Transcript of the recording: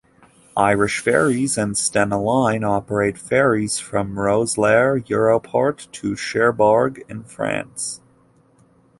Irish Ferries and Stena Line operate ferries from Rosslare Europort to Cherbourg in France.